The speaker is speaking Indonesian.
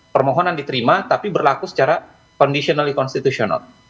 permohonan diterima tapi berlaku secara conditionally constitutional kalau titik satu